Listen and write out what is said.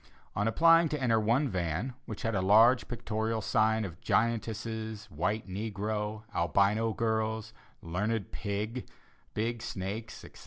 On applying to enter one van, which had a large pictorial sign of giantesses, white negro, Albino girls, learned pig, big snakes, etc.